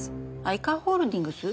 愛川ホールディングス？